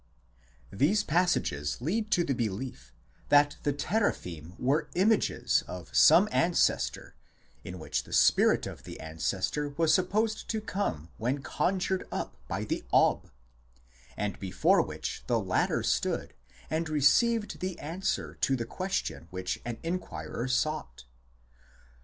These passages lead to the belief that the Tera phim were images of some ancestor in which the spirit of the ancestor was supposed to come when conjured up by the Ob, and before which the latter stood and received the answer to the question which an inquirer sought.